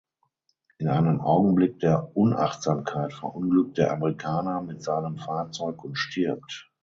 In einem Augenblick der Unachtsamkeit verunglückt der Amerikaner mit seinem Fahrzeug und stirbt.